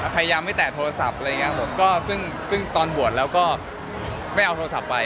พยายามไม่แตะโทรศัพท์ตอนบวชแล้วก็ไม่เอาโทรศัพท์ไป